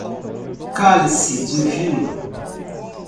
Cálice divino